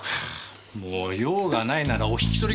もう用がないならお引き取りください。